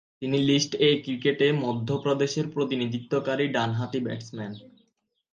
তিনি list A ক্রিকেটে মধ্য প্রদেশের প্রতিনিধিত্বকারী ডানহাতি ব্যাটসম্যান।